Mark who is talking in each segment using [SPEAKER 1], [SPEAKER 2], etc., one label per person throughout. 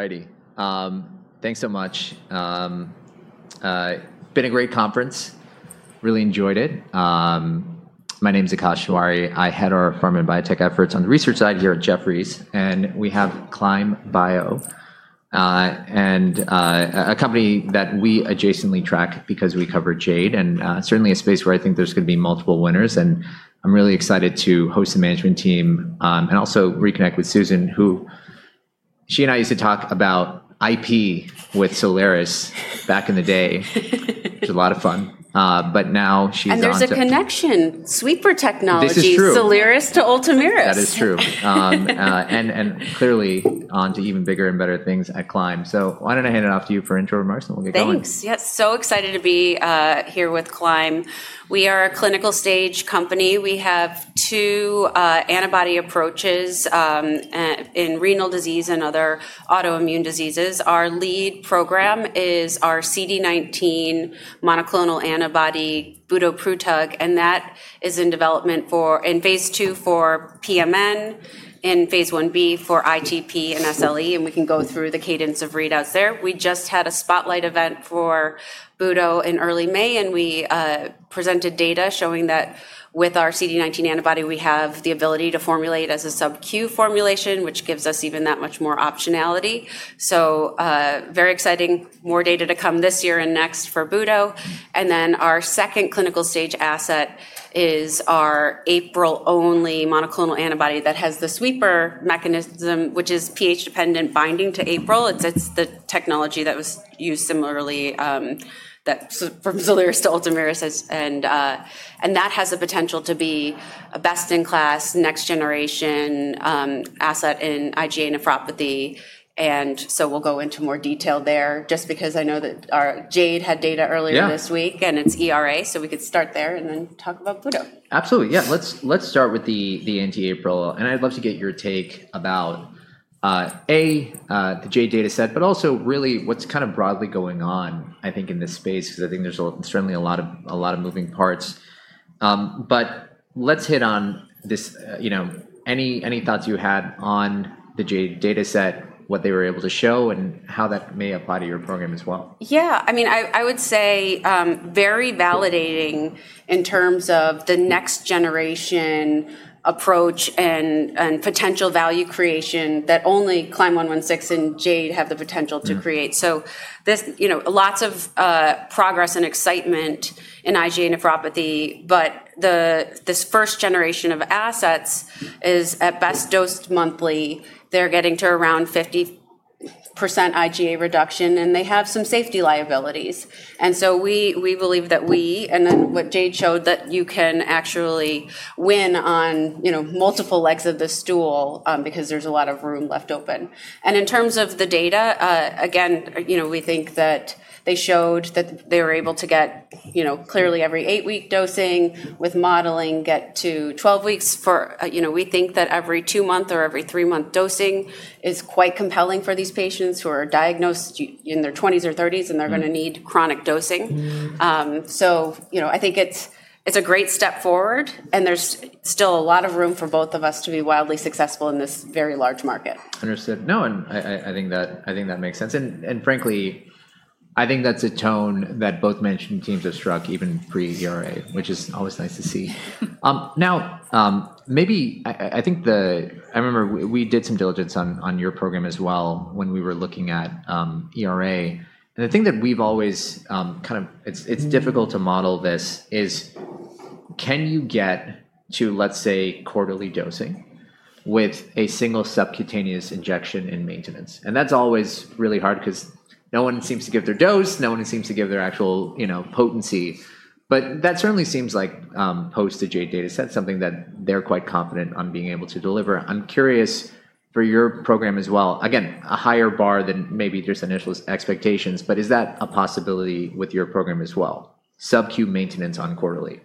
[SPEAKER 1] All righty. Thanks so much. Been a great conference. Really enjoyed it. My name's Akash Tewari. I head our pharma and biotech efforts on the research side here at Jefferies, and we have Climb Bio, a company that we adjacently track because we cover Jade, and certainly a space where I think there's going to be multiple winners. I'm really excited to host the management team, and also reconnect with Susan, who, she and I used to talk about IP with SOLIRIS back in the day. It was a lot of fun. Now she's on to.
[SPEAKER 2] There's a connection.
[SPEAKER 1] This is true.
[SPEAKER 2] SOLIRIS to ULTOMIRIS.
[SPEAKER 1] That is true. Clearly onto even bigger and better things at Climb. Why don't I hand it off to you for intro remarks, and we'll get going.
[SPEAKER 2] Thanks. Yes, excited to be here with Climb. We are a clinical-stage company. We have two antibody approaches in renal disease and other autoimmune diseases. Our lead program is our CD19 monoclonal antibody, Budoprutug, that is in development in phase II for PMN, in phase I-B for ITP and SLE, we can go through the cadence of readouts there. We just had a spotlight event for Budo in early May, we presented data showing that with our CD19 antibody, we have the ability to formulate as a subQ formulation, which gives us even that much more optionality. Very exciting. More data to come this year and next for Budo. Our second clinical-stage asset is our APRIL-only monoclonal antibody that has the sweeper mechanism, which is pH-dependent binding to APRIL. It's the technology that was used similarly from SOLIRIS to ULTOMIRIS. That has the potential to be a best-in-class, next generation asset in IgA nephropathy. We'll go into more detail there, just because I know that Jade had data earlier this week.
[SPEAKER 1] Yeah.
[SPEAKER 2] It's ERA, so we could start there and then talk about Budo.
[SPEAKER 1] Absolutely, yeah. Let's start with the anti-APRIL, and I'd love to get your take about, A, the Jade data set, but also really what's broadly going on, I think, in this space, because I think there's certainly a lot of moving parts. Let's hit on this. Any thoughts you had on the Jade data set, what they were able to show, and how that may apply to your program as well?
[SPEAKER 2] I would say very validating in terms of the next generation approach and potential value creation that only CLYM116 and Jade have the potential to create. Lots of progress and excitement in IgA nephropathy, but this first generation of assets is at best dosed monthly. They're getting to around 50% IgA reduction, they have some safety liabilities. We believe that we, and then what Jade showed, that you can actually win on multiple legs of the stool because there's a lot of room left open. In terms of the data, again, we think that they showed that they were able to get clearly every eight week dosing, with modeling get to 12 weeks. We think that every two month or every three month dosing is quite compelling for these patients who are diagnosed in their 20s or 30s, and they're going to need chronic dosing. I think it's a great step forward and there's still a lot of room for both of us to be wildly successful in this very large market.
[SPEAKER 1] Understood. No, I think that makes sense. Frankly, I think that's a tone that both management teams have struck, even pre-ERA, which is always nice to see. I remember we did some diligence on your program as well when we were looking at ERA, and the thing that we've always It's difficult to model this, is can you get to, let's say, quarterly dosing with a single subcutaneous injection in maintenance? That's always really hard because no one seems to give their dose, no one seems to give their actual potency. That certainly seems like post the Jade data set, something that they're quite confident on being able to deliver. I'm curious for your program as well, again, a higher bar than maybe just initial expectations, but is that a possibility with your program as well, subQ maintenance on quarterly?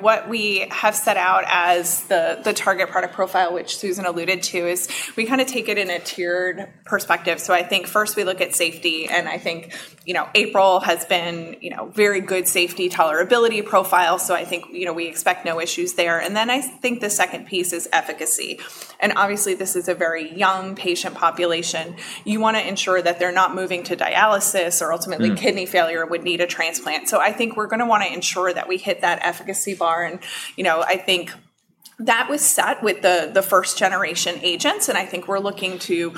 [SPEAKER 3] What we have set out as the target product profile, which Susan alluded to, is we take it in a tiered perspective. First we look at safety, APRIL has been very good safety tolerability profile. We expect no issues there. The second piece is efficacy. Obviously this is a very young patient population. You want to ensure that they're not moving to dialysis or ultimately kidney failure would need a transplant. We're going to want to ensure that we hit that efficacy bar, that was set with the first-generation agents, we're looking to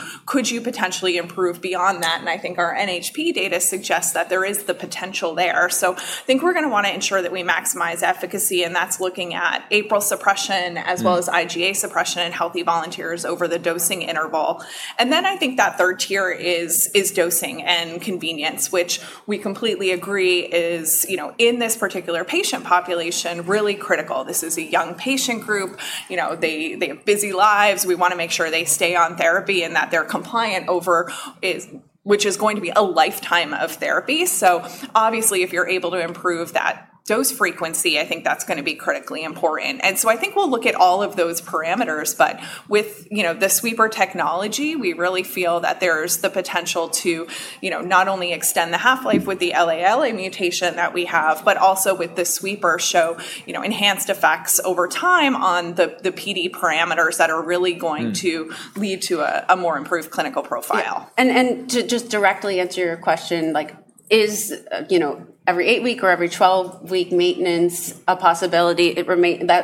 [SPEAKER 3] potentially improve beyond that, our NHP data suggests that there is the potential there. I think we're going to want to ensure that we maximize efficacy, and that's looking at APRIL suppression as well as IgA suppression in healthy volunteers over the dosing interval. I think that third tier is dosing and convenience, which we completely agree is, in this particular patient population, really critical. This is a young patient group, they have busy lives. We want to make sure they stay on therapy and that they're compliant over which is going to be a lifetime of therapy. Obviously if you're able to improve that dose frequency, I think that's going to be critically important. I think we'll look at all of those parameters, but with the sweeper technology, we really feel that there's the potential to not only extend the half-life with the LALA mutation that we have, but also with the sweeper show enhanced effects over time on the PD parameters that are really going to lead to a more improved clinical profile.
[SPEAKER 2] Yeah. To just directly answer your question, like, Is every eight-week or every 12-week maintenance a possibility? That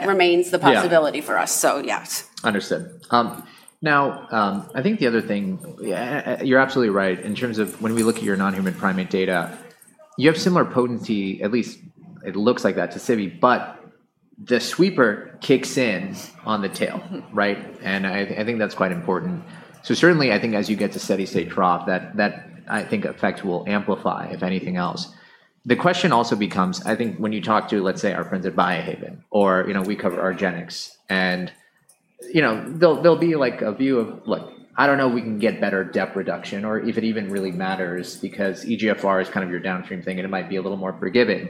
[SPEAKER 2] remains the possibility...
[SPEAKER 1] Yeah
[SPEAKER 2] -for us. Yes.
[SPEAKER 1] Understood. I think the other thing, you're absolutely right in terms of when we look at your non-human primate data, you have similar potency, at least it looks like that to sibeprenlimab, but the sweeper kicks in on the tail, right? I think that's quite important. Certainly, I think as you get to steady state trough, that effect will amplify if anything else. The question also becomes, I think when you talk to, let's say, our friends at Biohaven, or we cover argenx, and there'll be a view of, "Look, I don't know if we can get better depth reduction or if it even really matters," because eGFR is your downstream thing, and it might be a little more forgiving.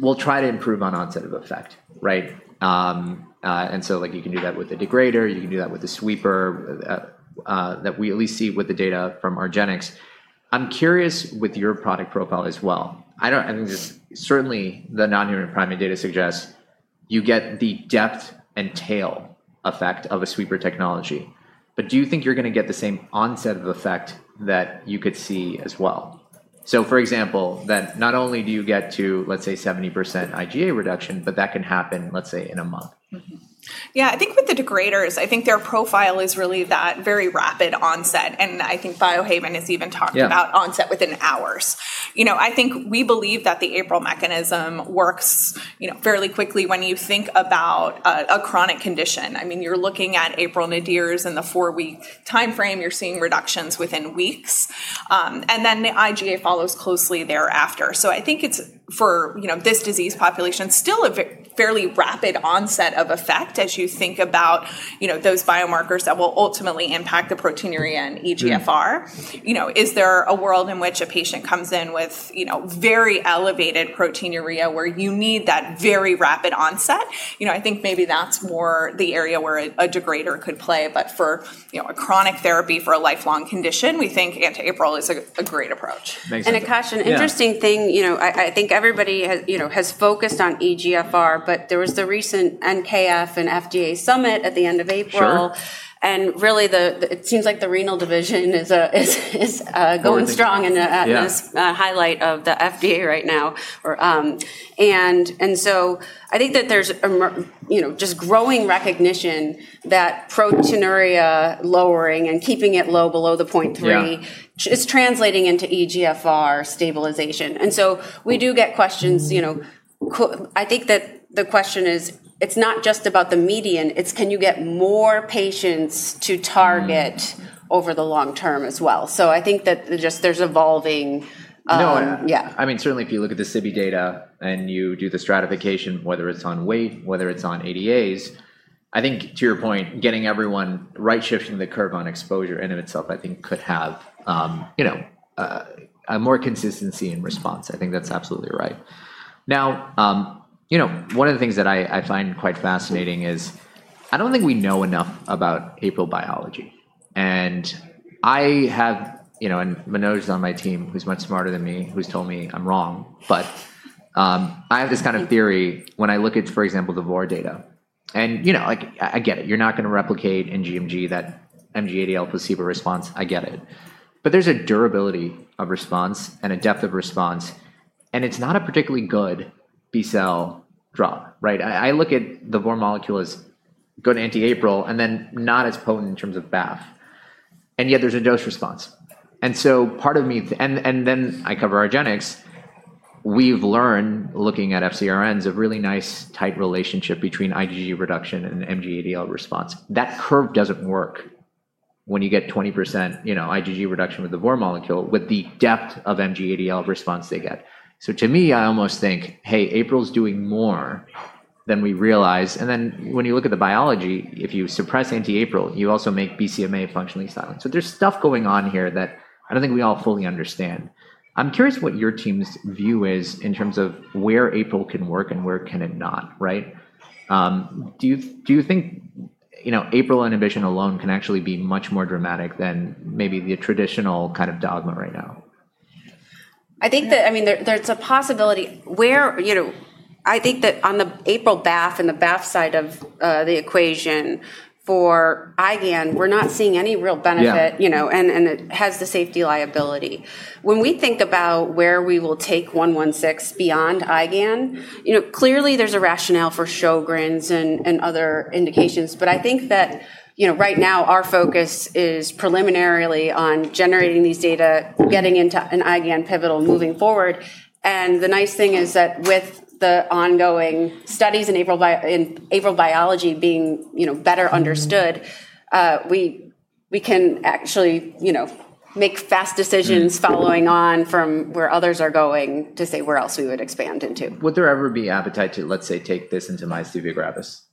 [SPEAKER 1] We'll try to improve on onset of effect. Right? You can do that with a degrader, you can do that with a sweeper, that we at least see with the data from argenx. I'm curious with your product profile as well. Certainly, the non-human primate data suggests you get the depth and tail effect of a sweeper technology. Do you think you're going to get the same onset of effect that you could see as well? For example, that not only do you get to, let's say, 70% IgA reduction, but that can happen, let's say, in a month.
[SPEAKER 3] Yeah. I think with the degraders, I think their profile is really that very rapid onset, and I think Biohaven has even talked...
[SPEAKER 1] Yeah
[SPEAKER 3] -about onset within hours. I think we believe that the APRIL mechanism works fairly quickly when you think about a chronic condition. You're looking at APRIL nadirs in the four-week timeframe, you're seeing reductions within weeks. The IgA follows closely thereafter. I think it's, for this disease population, still a fairly rapid onset of effect as you think about those biomarkers that will ultimately impact the proteinuria and eGFR. Is there a world in which a patient comes in with very elevated proteinuria where you need that very rapid onset? I think maybe that's more the area where a degrader could play. For a chronic therapy for a lifelong condition, we think anti-APRIL is a great approach.
[SPEAKER 1] Makes sense.
[SPEAKER 2] Akash.
[SPEAKER 1] Yeah
[SPEAKER 2] An interesting thing, I think everybody has focused on eGFR, but there was the recent NKF and FDA summit at the end of April.
[SPEAKER 1] Sure.
[SPEAKER 2] Really, it seems like the renal division is.
[SPEAKER 1] Or the-
[SPEAKER 2] going strong.
[SPEAKER 1] Yeah
[SPEAKER 2] a highlight of the FDA right now. I think that there's just growing recognition that proteinuria lowering and keeping it low below the 0.3-
[SPEAKER 1] Yeah
[SPEAKER 2] is translating into eGFR stabilization. We do get questions. I think that the question is, it's not just about the median, it's can you get more patients to target over the long-term as well.
[SPEAKER 1] No.
[SPEAKER 2] Yeah.
[SPEAKER 1] Certainly if you look at the sibe data and you do the stratification, whether it's on weight, whether it's on ADAs, I think to your point, getting everyone right-shifting the curve on exposure in of itself I think could have more consistency in response. I think that's absolutely right. One of the things that I find quite fascinating is I don't think we know enough about APRIL biology. Manoj is on my team, who's much smarter than me, who's told me I'm wrong, but I have this theory when I look at, for example, the VOR data. I get it, you're not going to replicate in gMG that MG-ADL placebo response. I get it. There's a durability of response and a depth of response, and it's not a particularly good B-cell drop. Right? I look at the VOR molecule as good anti-APRIL, not as potent in terms of BAFF. There's a dose response. I cover argenx. We've learned, looking at FcRns, a really nice tight relationship between IgG reduction and MG-ADL response. That curve doesn't work when you get 20% IgG reduction with the VOR molecule with the depth of MG-ADL response they get. I almost think, hey, APRIL's doing more than we realize. When you look at the biology, if you suppress anti-APRIL, you also make BCMA functionally silent. There's stuff going on here that I don't think we all fully understand. I'm curious what your team's view is in terms of where APRIL can work and where can it not, right? Do you think APRIL inhibition alone can actually be much more dramatic than maybe the traditional dogma right now?
[SPEAKER 2] I think that there's a possibility I think that on the APRIL BAFF and the BAFF side of the equation for IgAN, we're not seeing any real benefit.
[SPEAKER 1] Yeah
[SPEAKER 2] It has the safety liability. When we think about where we will take 116 beyond IgAN, clearly there's a rationale for Sjögren's and other indications, but I think that right now our focus is preliminarily on generating these data, getting into an IgAN pivotal moving forward, and the nice thing is that with the ongoing studies in APRIL biology being better understood, we can actually make fast decisions following on from where others are going to say where else we would expand into.
[SPEAKER 1] Would there ever be appetite to, let's say, take this into myasthenia gravis?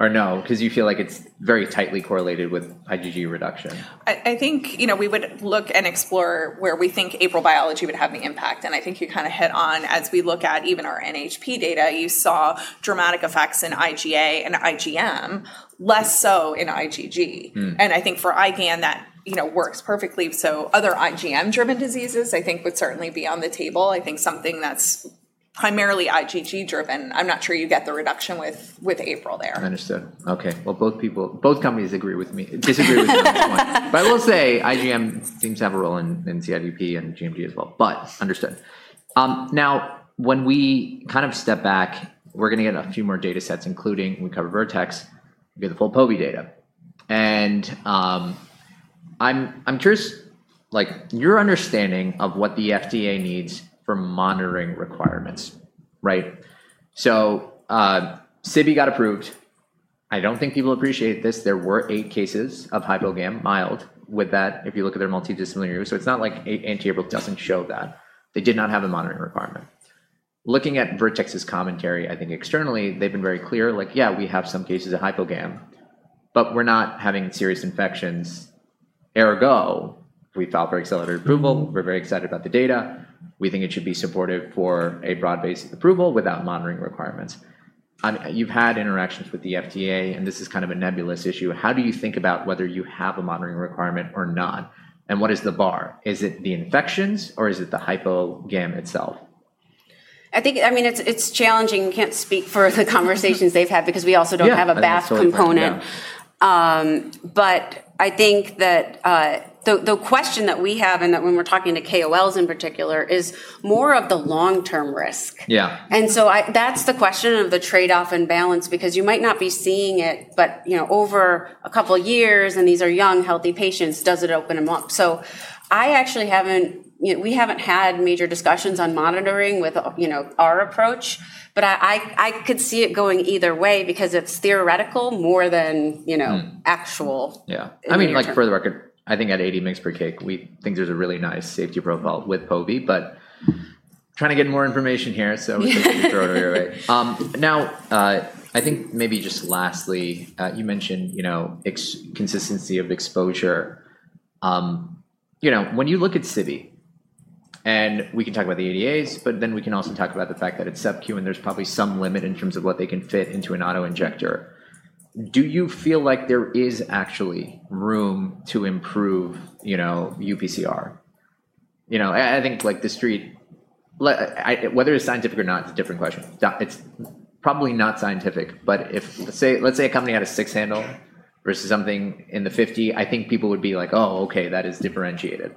[SPEAKER 1] Or no, because you feel like it's very tightly correlated with IgG reduction?
[SPEAKER 3] I think we would look and explore where we think APRIL biology would have the impact, and I think you hit on as we look at even our NHP data, you saw dramatic effects in IgA and IgM, less so in IgG. I think for IgAN, that works perfectly. Other IgM-driven diseases, I think, would certainly be on the table. I think something that's primarily IgG driven. I'm not sure you get the reduction with APRIL there.
[SPEAKER 1] Understood. Okay. Well, both companies disagree with me on this one. I will say IgM seems to have a role in CIDP and gMG as well. Understood. Now, when we step back, we're going to get a few more data sets, including when we cover Vertex, we get the full pove data. I'm curious about your understanding of what the FDA needs for monitoring requirements. Sibe got approved. I don't think people appreciate this, there were eight cases of hypogamm mild with that, if you look at their multidose linear. It's not like anti-APRIL doesn't show that. They did not have a monitoring requirement. Looking at Vertex's commentary, I think externally, they've been very clear. Like, yeah, we have some cases of hypogamm, but we're not having serious infections, ergo, we filed for accelerated approval. We're very excited about the data. We think it should be supported for a broad-based approval without monitoring requirements. You've had interactions with the FDA, and this is a nebulous issue. How do you think about whether you have a monitoring requirement or not? What is the bar? Is it the infections or is it the hypogamm itself?
[SPEAKER 3] It's challenging. We can't speak for the conversations they've had because we also don't have a BAFF component.
[SPEAKER 1] Yeah.
[SPEAKER 3] I think that the question that we have, and that when we're talking to KOLs in particular, is more of the long-term risk.
[SPEAKER 1] Yeah.
[SPEAKER 3] That's the question of the trade-off and balance, because you might not be seeing it, but over a couple of years, and these are young, healthy patients, does it open them up? We haven't had major discussions on monitoring with our approach, but I could see it going either way because it's theoretical more than actual.
[SPEAKER 1] Yeah. For the record, I think at 80 mg per kg, we think there's a really nice safety profile with pove, but trying to get more information here. We can throw it either way. I think maybe just lastly, you mentioned consistency of exposure. When you look at sibe, and we can talk about the ADAs, but then we can also talk about the fact that it's subQ, and there's probably some limit in terms of what they can fit into an auto-injector. Do you feel like there is actually room to improve UPCR? Whether it's scientific or not is a different question. It's probably not scientific, but let's say a company had a six handle versus something in the 50, I think people would be like, "Oh, okay, that is differentiated."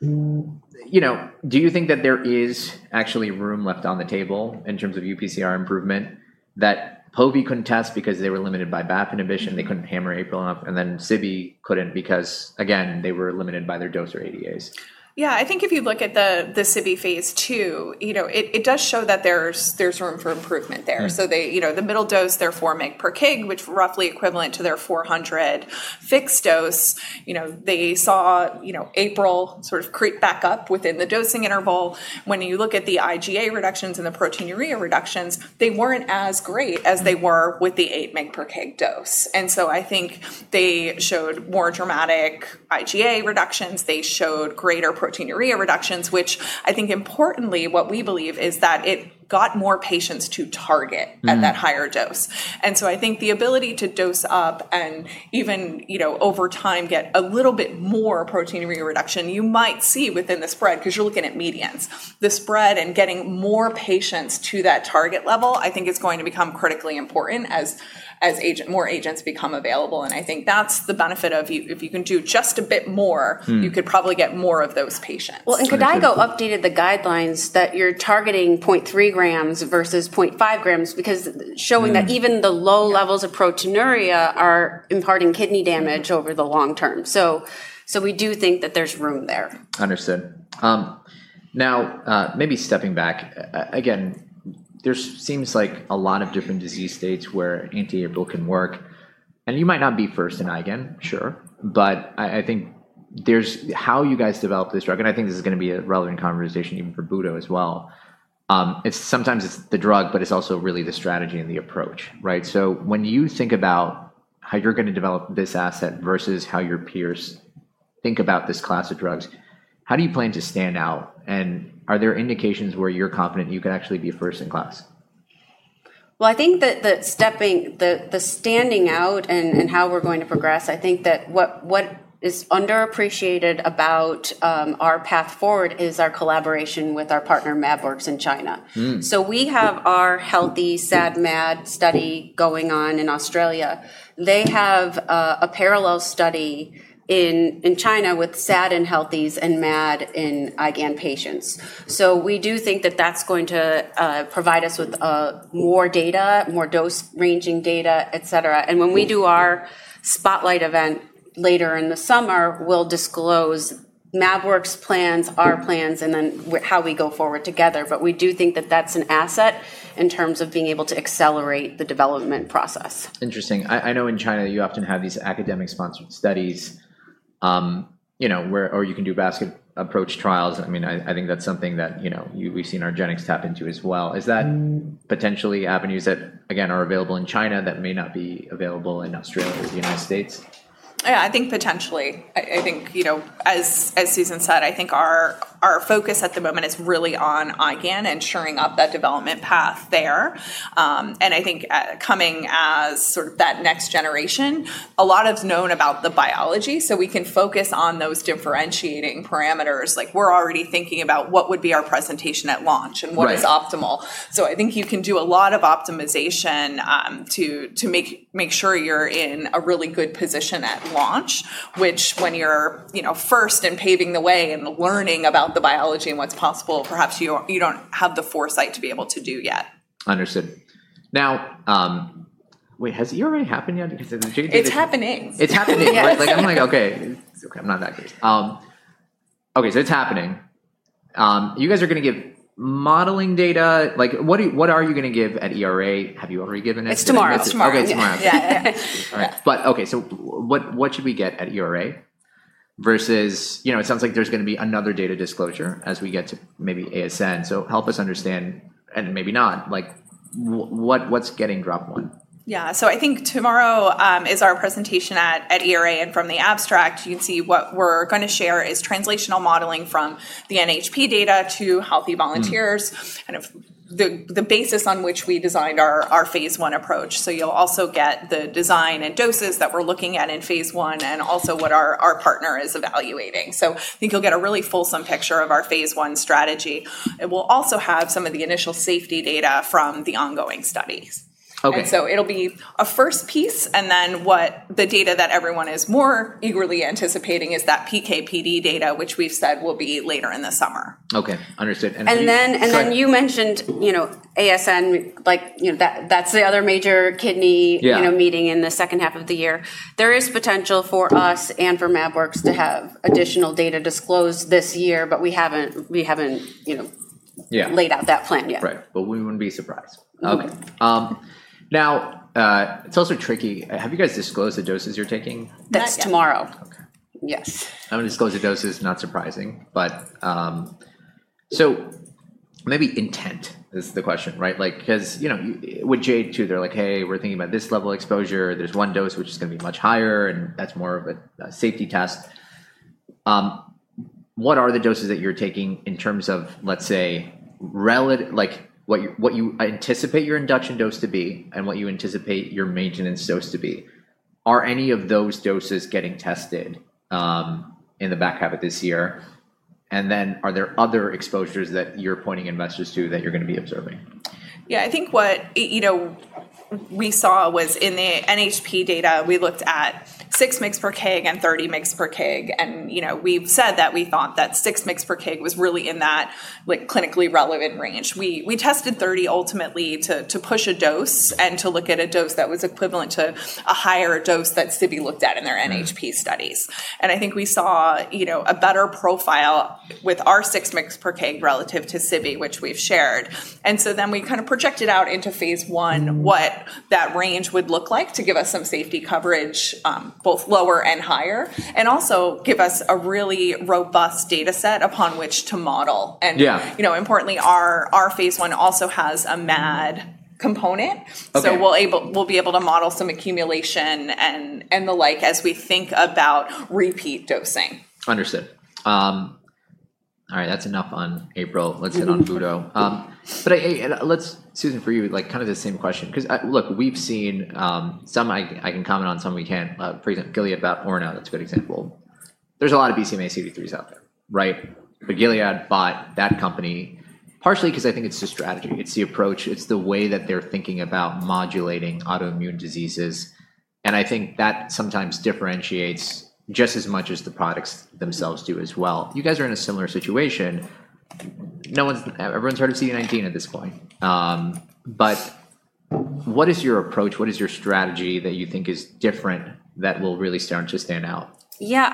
[SPEAKER 1] Do you think that there is actually room left on the table in terms of UPCR improvement that pove couldn't test because they were limited by BAFF inhibition, they couldn't hammer APRIL enough, and then sibe couldn't because, again, they were limited by their dose or ADAs?
[SPEAKER 3] Yeah. I think if you look at the sibe phase II, it does show that there's room for improvement there. The middle dose, their 4 mg per kg, which roughly equivalent to their 400 fixed dose, they saw APRIL sort of creep back up within the dosing interval. When you look at the IgA reductions and the proteinuria reductions, they weren't as great as they were with the 8 mg per kg dose. I think they showed more dramatic IgA reductions. They showed greater proteinuria reductions, which I think importantly, what we believe is that it got more patients to target. at that higher dose. I think the ability to dose up and even over time get a little bit more proteinuria reduction, you might see within the spread, because you're looking at medians. The spread and getting more patients to that target level, I think is going to become critically important as more agents become available, and I think that's the benefit of if you can do just a bit more you could probably get more of those patients.
[SPEAKER 1] Sure.
[SPEAKER 2] Well, KDIGO updated the guidelines that you're targeting 0.3 grams versus 0.5 grams because showing that even the low levels of proteinuria are imparting kidney damage over the long-term. We do think that there's room there.
[SPEAKER 1] Understood. Maybe stepping back, again, there seems like a lot of different disease states where anti-APRIL can work, and you might not be first in IgAN, sure, but I think how you guys develop this drug, and I think this is going to be a relevant conversation even for Budo as well, sometimes it's the drug, but it's also really the strategy and the approach. When you think about how you're going to develop this asset versus how your peers think about this class of drugs, how do you plan to stand out? Are there indications where you're confident you can actually be first in class?
[SPEAKER 2] Well, I think that the standing out and how we're going to progress, I think that what is underappreciated about our path forward is our collaboration with our partner Mabworks in China. We have our healthy SAD/MAD study going on in Australia. They have a parallel study in China with SAD in healthies and MAD in IgAN patients. We do think that that's going to provide us with more data, more dose-ranging data, et cetera. When we do our spotlight event later in the summer, we'll disclose Mabworks' plans, our plans, and then how we go forward together. We do think that that's an asset in terms of being able to accelerate the development process.
[SPEAKER 1] Interesting. I know in China you often have these academic-sponsored studies, or you can do basket approach trials. I think that's something that we've seen argenx tap into as well. Is that potentially avenues that, again, are available in China that may not be available in Australia or the U.S.?
[SPEAKER 3] Yeah, I think potentially. As Susan said, I think our focus at the moment is really on IgAN and shoring up that development path there. I think coming as sort of that next generation, a lot is known about the biology, we can focus on those differentiating parameters. We're already thinking about what would be our presentation at launch.
[SPEAKER 1] Right
[SPEAKER 3] is optimal. I think you can do a lot of optimization to make sure you're in a really good position at launch, which when you're first and paving the way and learning about the biology and what's possible, perhaps you don't have the foresight to be able to do yet.
[SPEAKER 1] Understood. Now, wait, has ERA happened yet?
[SPEAKER 3] It's happening.
[SPEAKER 1] It's happening.
[SPEAKER 3] Yeah.
[SPEAKER 1] Okay. I'm not that crazy. Okay, it's happening. You guys are going to give modeling data. What are you going to give at ERA? Have you already given it?
[SPEAKER 3] It's tomorrow.
[SPEAKER 1] Okay, tomorrow.
[SPEAKER 3] Yeah.
[SPEAKER 1] All right. Okay, what should we get at ERA versus, it sounds like there's going to be another data disclosure as we get to maybe ASN, help us understand, and maybe not, what's getting dropped when?
[SPEAKER 3] Yeah. I think tomorrow is our presentation at ERA, and from the abstract, you can see what we're going to share is translational modeling from the NHP data to healthy volunteers, the basis on which we designed our phase I approach. You'll also get the design and doses that we're looking at in phase I and also what our partner is evaluating. I think you'll get a really fulsome picture of our phase I strategy. We'll also have some of the initial safety data from the ongoing studies.
[SPEAKER 1] Okay.
[SPEAKER 3] It'll be a first piece, and then what the data that everyone is more eagerly anticipating is that PK/PD data which we've said will be later in the summer.
[SPEAKER 1] Okay. Understood.
[SPEAKER 2] You mentioned ASN, that's the other major kidney-
[SPEAKER 1] Yeah
[SPEAKER 2] meeting in the second half of the year. There is potential for us and for Mabworks to have additional data disclosed this year, but we haven't.
[SPEAKER 1] Yeah
[SPEAKER 2] laid out that plan yet.
[SPEAKER 1] Right. We wouldn't be surprised.
[SPEAKER 3] Okay.
[SPEAKER 1] Okay. It's also tricky. Have you guys disclosed the doses you're taking?
[SPEAKER 3] Not yet.
[SPEAKER 2] That's tomorrow.
[SPEAKER 1] Okay.
[SPEAKER 2] Yes.
[SPEAKER 1] Having disclosed the dose is not surprising, but so maybe intent is the question, right? With Jade too, they're like, "Hey, we're thinking about this level exposure. There's one dose which is going to be much higher, and that's more of a safety test." What are the doses that you're taking in terms of, let's say, what you anticipate your induction dose to be and what you anticipate your maintenance dose to be? Are any of those doses getting tested in the back half of this year? Are there other exposures that you're pointing investors to that you're going to be observing?
[SPEAKER 2] I think what we saw was in the NHP data, we looked at 6 mgs per kg and 30 mgs per kg. We've said that we thought that 6 mgs per kg was really in that clinically relevant range. We tested 30 ultimately to push a dose and to look at a dose that was equivalent to a higher dose that sibe looked at in their NHP studies. I think we saw a better profile with our 6 mgs per kg relative to sibe, which we've shared. We kind of projected out into phase I what that range would look like to give us some safety coverage, both lower and higher, and also give us a really robust data set upon which to model.
[SPEAKER 1] Yeah.
[SPEAKER 2] Importantly, our phase I also has a MAD component.
[SPEAKER 1] Okay.
[SPEAKER 2] We'll be able to model some accumulation and the like as we think about repeat dosing.
[SPEAKER 1] Understood. All right. That's enough on APRIL. Let's hit on Budo. Susan, for you, kind of the same question, because look, we've seen some I can comment on, some we can't. For example, Gilead bought[audio disortion], that's a good example. There's a lot of BCMA/CD3s out there, right? Gilead bought that company partially because I think it's the strategy, it's the approach, it's the way that they're thinking about modulating autoimmune diseases, and I think that sometimes differentiates just as much as the products themselves do as well. You guys are in a similar situation. Everyone's heard of CD19 at this point. What is your approach? What is your strategy that you think is different that will really start to stand out?
[SPEAKER 2] Yeah.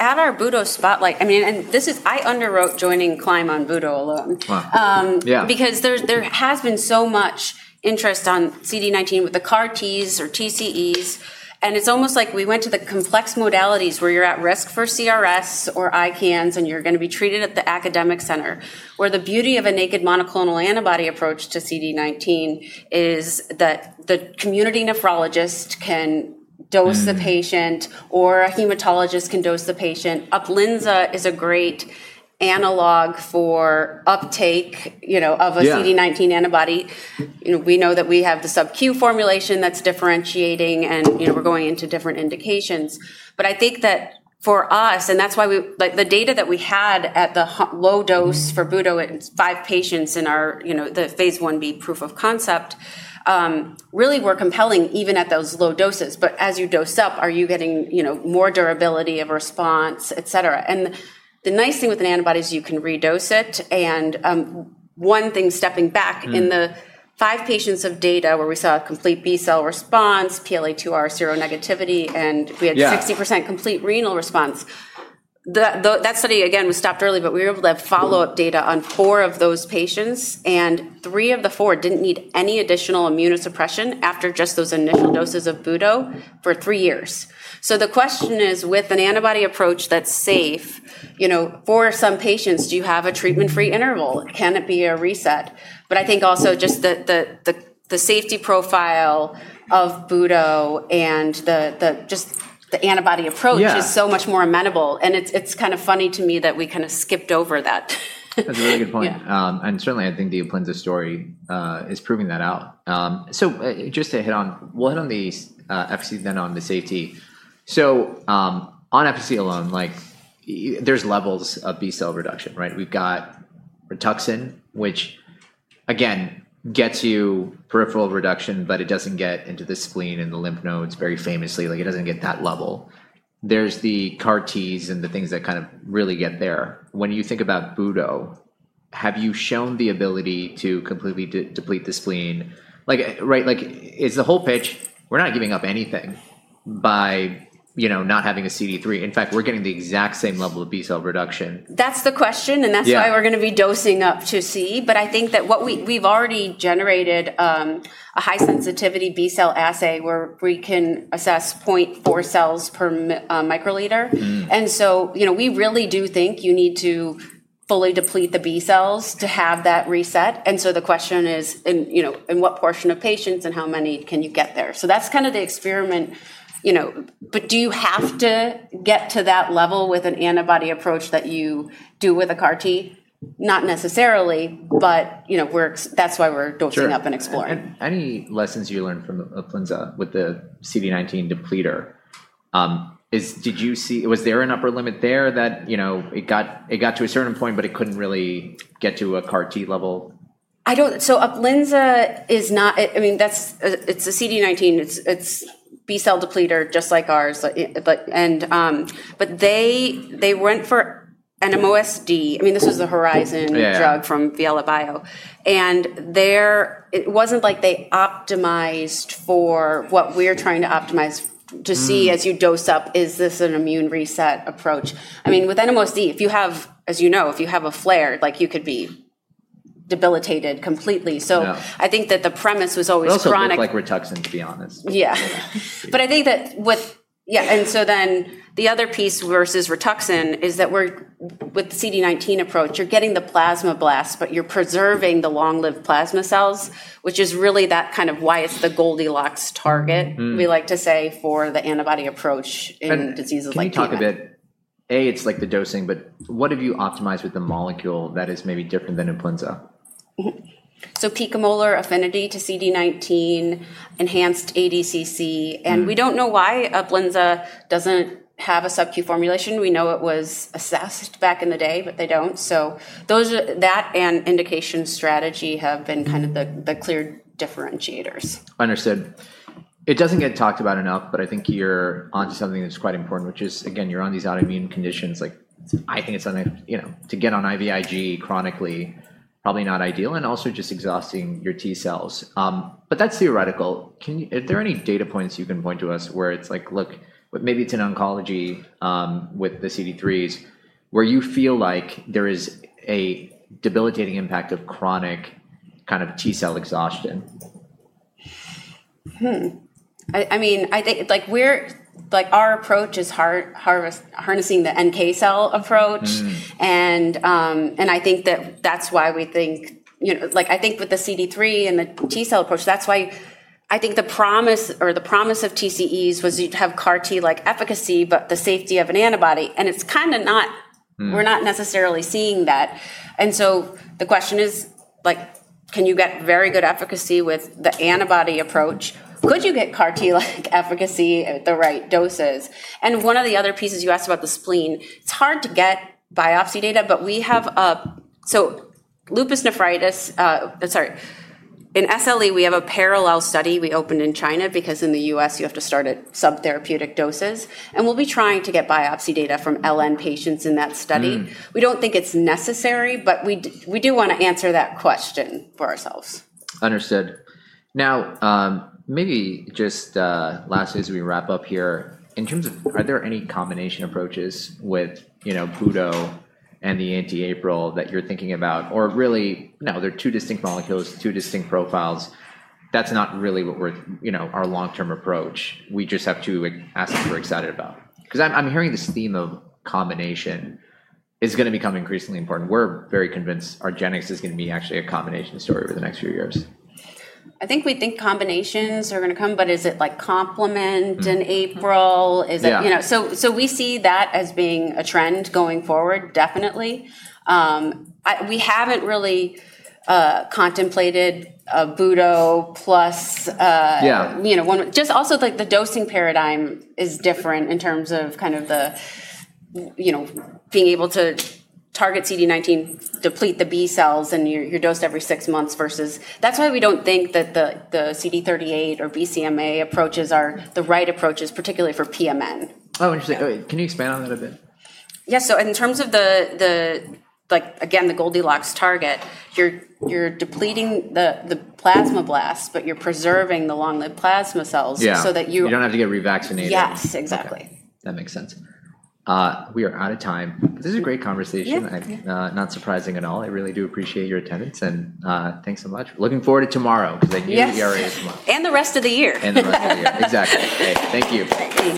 [SPEAKER 2] At our Budo spotlight, I underwrote joining Climb on Budo alone.
[SPEAKER 1] Wow. Yeah.
[SPEAKER 2] Because there has been so much interest on CD19 with the CAR T or TCEs, and it's almost like we went to the complex modalities where you're at risk for CRS or ICANS, and you're going to be treated at the academic center. The beauty of a naked monoclonal antibody approach to CD19 is that the community nephrologist can dose the patient or a hematologist can dose the patient. UPLIZNA is a great analog for uptake of a.
[SPEAKER 1] Yeah
[SPEAKER 2] CD19 antibody. We know that we have the subQ formulation that's differentiating, and we're going into different indications. I think that for us, and that's why the data that we had at the low dose for Budo at five patients in the Phase I-B proof of concept, really were compelling even at those low doses. As you dose up, are you getting more durability of response, et cetera? The nice thing with an antibody is you can re-dose it, and one thing, stepping back, in the five patients of data where we saw a complete B-cell response, PLA2R seronegativity.
[SPEAKER 1] Yeah
[SPEAKER 2] 60% complete renal response, that study, again, was stopped early, but we were able to have follow-up data on four of those patients, and three of the four didn't need any additional immunosuppression after just those initial doses of Budo for three years. The question is, with an antibody approach that's safe, for some patients, do you have a treatment-free interval? Can it be a reset? I think also just the safety profile of Budo and just the antibody approach.
[SPEAKER 1] Yeah
[SPEAKER 2] is so much more amenable, and it's kind of funny to me that we skipped over that.
[SPEAKER 1] That's a really good point.
[SPEAKER 2] Yeah.
[SPEAKER 1] Certainly, I think the UPLIZNA story is proving that out. We'll hit on the Fc then on the safety. On efficacy alone, there's levels of B-cell reduction, right? We've got RITUXAN, which again gets you peripheral reduction, but it doesn't get into the spleen and the lymph nodes very famously. It doesn't get that level. There's the CAR T and the things that really get there. When you think about Budo, have you shown the ability to completely deplete the spleen? Is the whole pitch, we're not giving up anything by not having a CD3. In fact, we're getting the exact same level of B-cell reduction.
[SPEAKER 2] That's the question, and that's why we're going to be dosing up to C. I think that we've already generated a high sensitivity B-cell assay where we can assess 0.4 cells per microliter. We really do think you need to fully deplete the B cells to have that reset. The question is in what portion of patients and how many can you get there? That's the experiment, but do you have to get to that level with an antibody approach that you do with a CAR T? Not necessarily, that's why we're dosing up and exploring.
[SPEAKER 1] Sure. Any lessons you learned from UPLIZNA with the CD19 depleter? Was there an upper limit there that it got to a certain point, but it couldn't really get to a CAR T level?
[SPEAKER 2] UPLIZNA, it's a CD19, it's B-cell depleter just like ours. They went for an NMOSD. This was the Horizon drug from Viela Bio. It wasn't like they optimized for what we're trying to optimize to see as you dose up, is this an immune reset approach? With an NMOSD, as you know, if you have a flare, you could be debilitated completely.
[SPEAKER 1] Yeah.
[SPEAKER 2] I think that the premise was always chronic.
[SPEAKER 1] It also looked like RITUXAN, to be honest.
[SPEAKER 2] Yeah. The other piece versus RITUXAN is that with the CD19 approach, you're getting the plasmablasts, but you're preserving the long-lived plasma cells, which is really why it's the Goldilocks target we like to say, for the antibody approach in diseases like PMN.
[SPEAKER 1] Can you talk a bit, it's like the dosing, but what have you optimized with the molecule that is maybe different than UPLIZNA?
[SPEAKER 2] Picomolar affinity to CD19, enhanced ADCC, and we don't know why UPLIZNA doesn't have a subQ formulation. We know it was assessed back in the day, they don't. That and indication strategy have been the clear differentiators.
[SPEAKER 1] Understood. It doesn't get talked about enough. I think you're onto something that's quite important, which is, again, you're on these autoimmune conditions. I think to get on IVIG chronically, probably not ideal, and also just exhausting your T cells. That's theoretical. Are there any data points you can point to us where it's like, look, maybe it's in oncology with the CD3s, where you feel like there is a debilitating impact of chronic T cell exhaustion?
[SPEAKER 2] Our approach is harnessing the NK cell approach. I think with the CD3 and the T cell approach, that's why I think the promise of TCEs was you'd have CAR-T-like efficacy, but the safety of an antibody, and we're not necessarily seeing that. The question is, can you get very good efficacy with the antibody approach? Could you get CAR-T-like efficacy at the right doses? One of the other pieces you asked about the spleen. It's hard to get biopsy data. In SLE, we have a parallel study we opened in China because in the U.S. you have to start at subtherapeutic doses, and we'll be trying to get biopsy data from LN patients in that study. We don't think it's necessary, but we do want to answer that question for ourselves.
[SPEAKER 1] Understood. Maybe just lastly as we wrap up here, in terms of are there any combination approaches with Budo and the anti-APRIL that you're thinking about? Really, no, they're two distinct molecules, two distinct profiles. That's not really our long-term approach. We just have to ask what you're excited about. I'm hearing this theme of combination is going to become increasingly important. We're very convinced argenx is going to be actually a combination story over the next few years.
[SPEAKER 2] I think we think combinations are going to come, but is it like complement and APRIL?
[SPEAKER 1] Yeah.
[SPEAKER 2] We see that as being a trend going forward, definitely. We haven't really contemplated Budo.
[SPEAKER 1] Yeah
[SPEAKER 2] just also the dosing paradigm is different in terms of being able to target CD19, deplete the B cells, and you're dosed every six months versus. That's why we don't think that the CD38 or BCMA approaches are the right approaches, particularly for PMN.
[SPEAKER 1] Oh, interesting. Can you expand on that a bit?
[SPEAKER 2] Yeah. In terms of, again, the Goldilocks target, you're depleting the plasmablasts, but you're preserving the long-lived plasma cells so that you.
[SPEAKER 1] Yeah. You don't have to get revaccinated.
[SPEAKER 2] Yes, exactly.
[SPEAKER 1] Okay. That makes sense. We are out of time. This was a great conversation.
[SPEAKER 2] Yeah. Thank you.
[SPEAKER 1] Not surprising at all. I really do appreciate your attendance and thanks so much.
[SPEAKER 2] Yes
[SPEAKER 1] speaking tomorrow.
[SPEAKER 2] The rest of the year.
[SPEAKER 1] The rest of the year. Exactly. Great. Thank you.